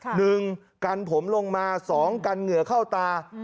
หนึ่งกันผมลงมาสองกันเหงื่อเข้าตา